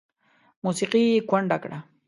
موسیقي یې کونډه کړه